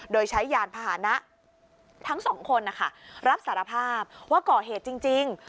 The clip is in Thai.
โดยใช้ยานผ่านทั้ง๒คนรับสารภาพว่าก่อเหตุจริง